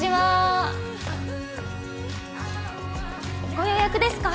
ご予約ですか？